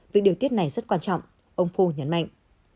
việc điều tiết này rất quan trọng ông fo nhấn mạnh